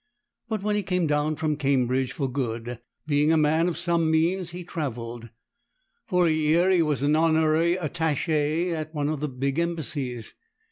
But when he went down from Cambridge for good, being a man of some means, he travelled. For a year he was an honorary Attache at one of the big Embassies.